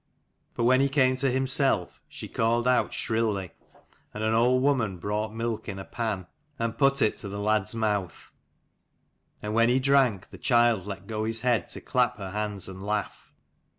But when he came to himself, she called out shrilly, and an old woman brought milk in a pan and put it to the lad's mouth : and when he drank, the child let go his head to clap her hands and laugh.